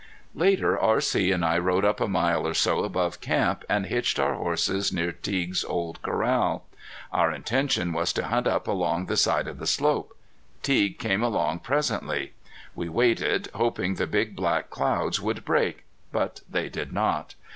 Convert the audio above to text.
Later, R.C. and I rode up a mile or so above camp, and hitched our horses near Teague's old corral. Our intention was to hunt up along the side of the slope. Teague came along presently. We waited, hoping the big black clouds would break. But they did not.